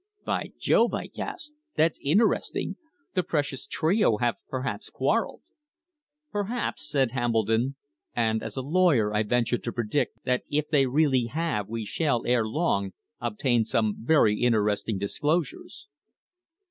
"By Jove!" I gasped. "That's interesting! The precious trio have perhaps quarrelled!" "Perhaps," said Hambledon. "And as a lawyer I venture to predict that if they really have we shall, ere long, obtain some very interesting disclosures."